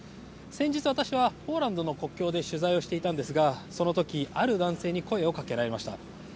先日私はポーランドの国境で取材をしていたんですがそのとき、ある男性に声をかけられました。